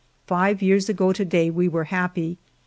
Five years ago to day we were happy.